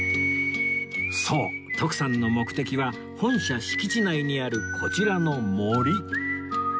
そう徳さんの目的は本社敷地内にあるこちらの森